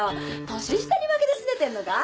年下に負けてすねてんのか？